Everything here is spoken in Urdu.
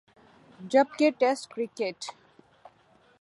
جب کہ ٹیسٹ کرکٹ